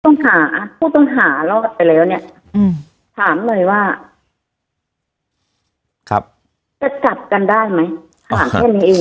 ผู้ต้องหาผู้ต้องหารอดไปแล้วเนี่ยอืมถามเลยว่าครับจะจับกันได้ไหม